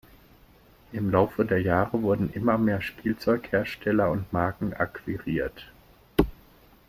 Im Laufe der Jahre wurden immer mehr Spielzeughersteller und -marken akquiriert.